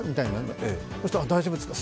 そしたら、大丈夫ですか？